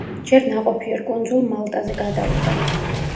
ჯერ ნაყოფიერ კუნძულ მალტაზე გადავიდა.